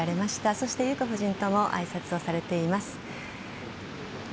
そして裕子夫人ともあいさつをされています。